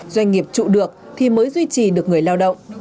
doanh nghiệp trụ được thì mới duy trì được người lao động